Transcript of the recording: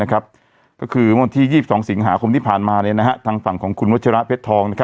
ก็คือเมื่อวันที่๒๒สิงหาคมที่ผ่านมาทางฝั่งของคุณวัชระเพชรทอง